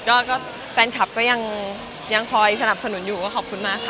ก็แฟนคลับก็ยังคอยสนับสนุนอยู่ก็ขอบคุณมากค่ะ